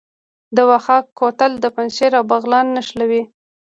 د خاوک کوتل پنجشیر او بغلان نښلوي